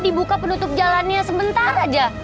dibuka penutup jalannya sementara aja